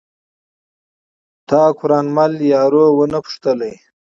تا قران مل یارو ونه پوښتلئ